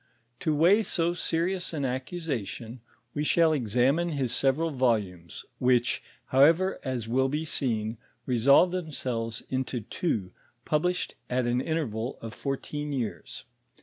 To weigh so serious an accusation, we shall examine hia several volumes, which, however, as will bo seen, resolve themselves into two, published at an interval of fourteen years.